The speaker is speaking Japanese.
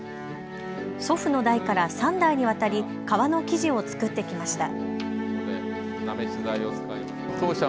祖父の代から３代にわたり革の生地を作ってきました。